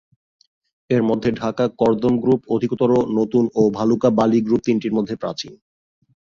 এরমধ্যে ঢাকা কর্দম গ্রুপ অধিকতর নতুন ও ভালুকা বালি গ্রুপ তিনটির মধ্যে প্রাচীন।